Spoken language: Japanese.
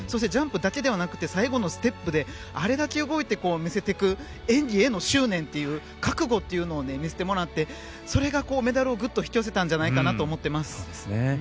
ジャンプだけではなくて最後のステップであれだけ動いて見せていく演技への執念、覚悟を見せてもらってそれがメダルをぐっと引き寄せたと思います。